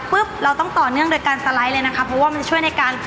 เราต้องต่อเนื่องโดยการสไลด์เลยนะคะเพราะว่ามันช่วยในการ